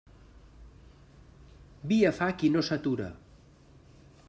Via fa qui no s'atura.